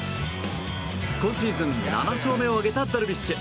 今シーズン７勝目を挙げたダルビッシュ。